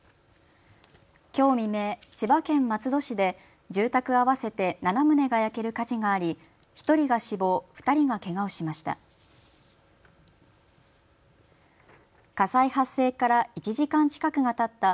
きょう未明、千葉県松戸市で住宅合わせて７棟が焼ける火事があり１人が死亡、２人がけがをしました。